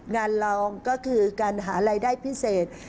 งานลองก็คือการหารายได้พิเศษ